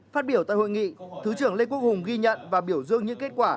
phát biểu tại hội nghị thứ trưởng lê quốc hùng ghi nhận và biểu dương những kết quả